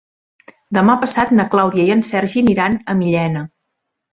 Demà passat na Clàudia i en Sergi aniran a Millena.